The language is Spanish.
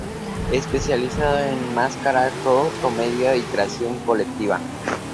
Especializado en máscara, clown, comedia y creación colectiva.